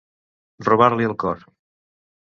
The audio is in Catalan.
Robar-li el cor.